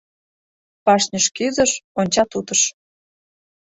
Башньыш кӱзыш, онча тутыш;